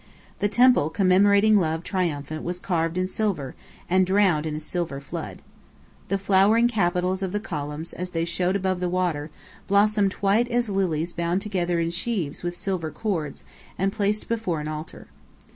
The temple commemorating love triumphant was carved in silver, and drowned in a silver flood. The flowering capitals of the columns as they showed above the water, blossomed white as lilies bound together in sheaves with silver cords, and placed before an altar.